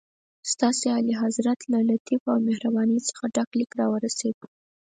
ستاسي اعلیحضرت له لطف او مهربانۍ څخه ډک لیک راورسېد.